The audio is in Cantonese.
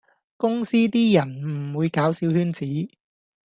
公司啲人唔會搞小圈子